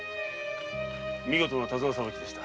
見事な手綱さばきでした。